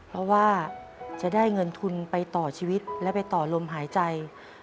เพราะว่าจะได้เงินทุนไปต่อชีวิตและไปต่อลมหายใจ